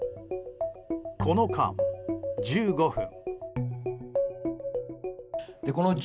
この間、１５分。